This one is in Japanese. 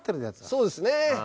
そうですね。